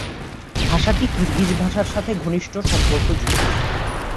ভাষাটি কিরগিজ ভাষার সাথে ঘনিষ্ঠ সম্পর্কযুক্ত।